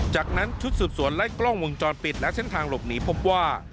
จากนั้นชุดสืบสวนไล่กล้องวงจรปิดและเส้นทางหลบหนีพบว่า